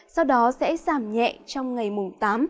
sau đó sẽ giảm nhẹ trong ngày mùng tám